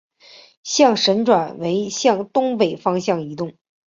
象神转为向东北方向移动。